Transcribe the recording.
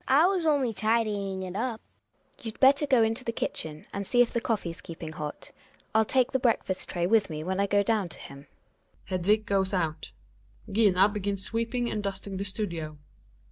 I was only tidying it up. GiNA. You'd better go into the kitchen and see if the coffee's keeping hot; I'll take the breakfast tray with me when I go down to him. Hedviq goes out ; Gina begins sweeping and dusting the studio.